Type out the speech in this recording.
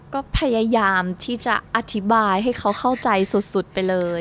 ก็พยายามที่จะอธิบายให้เขาเข้าใจสุดไปเลย